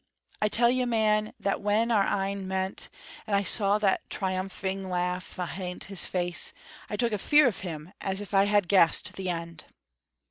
I tell ye, man, that when our een met, and I saw that triumphing laugh ahint his face, I took a fear of him, as if I had guessed the end.